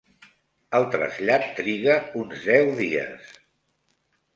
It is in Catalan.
El trasllat triga uns deu dies.